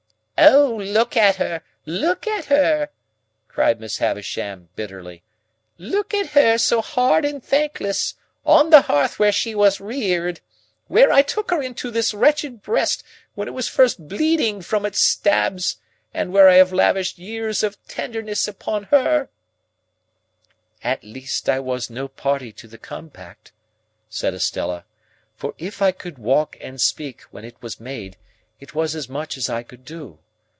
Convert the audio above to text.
"O, look at her, look at her!" cried Miss Havisham, bitterly; "Look at her so hard and thankless, on the hearth where she was reared! Where I took her into this wretched breast when it was first bleeding from its stabs, and where I have lavished years of tenderness upon her!" "At least I was no party to the compact," said Estella, "for if I could walk and speak, when it was made, it was as much as I could do.